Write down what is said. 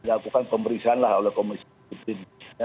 itu kan pemeriksaan lah oleh komisi bipin